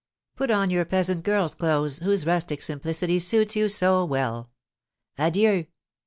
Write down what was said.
Put on your peasant girl's clothes, whose rustic simplicity suits you so well. Adieu!